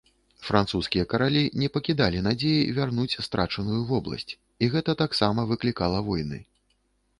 Французскія каралі не пакідалі надзеі вярнуць страчаную вобласць, і гэта таксама выклікала войны.